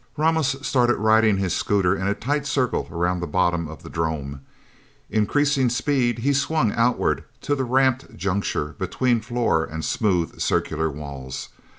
Ramos started riding his scooter in a tight circle around the bottom of the 'drome. Increasing speed, he swung outward to the ramped juncture between floor and smooth, circular walls.